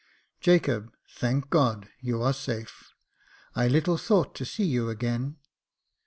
Jacob, thank God, you are safe ! I little thought to see you again.